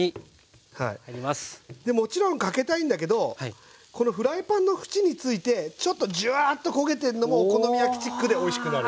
でもちろんかけたいんだけどこのフライパンの縁についてちょっとジュワーと焦げてんのもお好み焼きチックでおいしくなる。